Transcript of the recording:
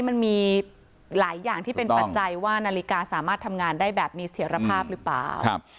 มันมีหลายอย่างที่เป็นปัจจัยว่านาฬิกาสามารถทำงานได้แบบมีเสียรภาพหรือเปล่า